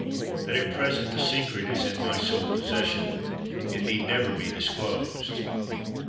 "That at present the secret is in my sole possession. It need never be disclosed.